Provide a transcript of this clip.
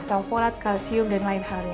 alkoholat kalsium dan lain halnya